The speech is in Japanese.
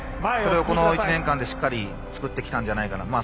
それをこの１年間でしっかり作ってきたんじゃないかと。